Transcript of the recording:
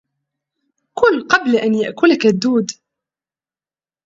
كل قبل أن يأكلك الدود